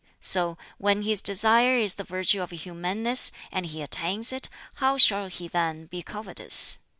So when his desire is the virtue of humaneness, and he attains it, how shall he then be covetous?